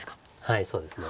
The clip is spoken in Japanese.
はいそうですね。